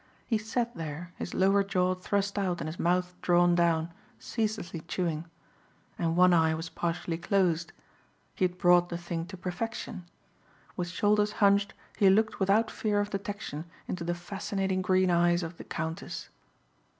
He sat there, his lower jaw thrust out and his mouth drawn down, ceaselessly chewing. And one eye was partially closed. He had brought the thing to perfection. With shoulders hunched he looked without fear of detection into the fascinating green eyes of "The Countess."